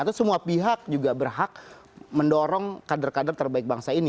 atau semua pihak juga berhak mendorong kader kader terbaik bangsa ini